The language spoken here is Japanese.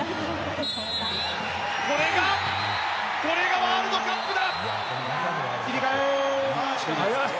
これが、ワールドカップだ。